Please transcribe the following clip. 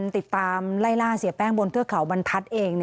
ติดตามไล่ล่าเสียแป้งบนเทือกเขาบรรทัศน์เอง